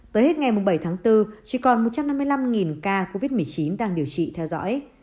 tới hết ngày bảy tháng bốn chỉ còn một trăm năm mươi năm ca covid một mươi chín đang điều trị theo dõi